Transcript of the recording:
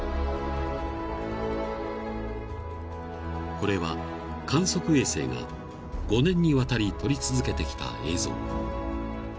［これは観測衛星が５年にわたり撮り続けてきた映像］